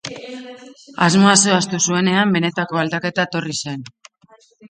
Asmoa zehaztu zuenean, benetako aldaketa etorri zen.